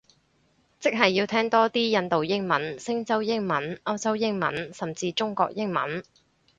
即係要聽多啲印度英文，星洲英文，歐洲英文，甚至中國英文